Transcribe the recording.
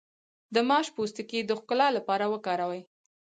د ماش پوستکی د ښکلا لپاره وکاروئ